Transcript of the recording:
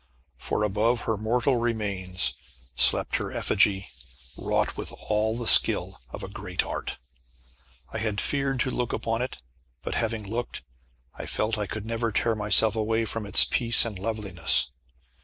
For above her mortal remains slept her effigy wrought with all the skill of a great art. I had feared to look upon it, but having looked, I felt that I could never tear myself away from its peace and loveliness.